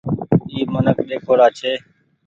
اي منک ۮيکوڙآ ڇي۔